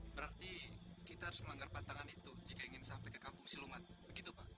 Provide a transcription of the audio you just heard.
berarti kita harus melanggar pantangan itu jika ingin sampai ke kampung silumat begitu pak